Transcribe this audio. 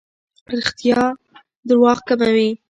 رښتیا درواغ کموي.